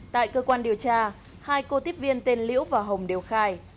tại cơ quan điều tra hai cô tiếp viên tên liễu và hồng đều khai